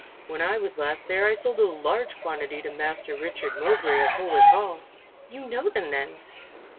When I was last there I sold a large quantity to Master Richard Mowbray of Holwick Hall." "You know them then?"